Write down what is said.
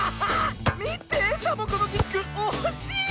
みてサボ子のキック。おしい！